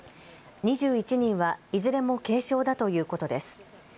２１人はいずれも軽傷だということです。